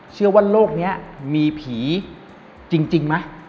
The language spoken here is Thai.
เชื่อว่าโลกนี้มีผีจริงไหม